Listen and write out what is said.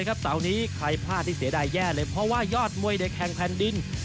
ใครพลาดที่เสียได้แย่เลยเพราะว่ายอดมวยเด็กแข่งแผ่นดิน